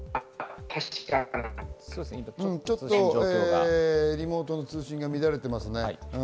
今、ちょっとリモートの通信が乱れています。